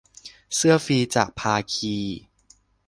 เสื้อฟรีจากภาคี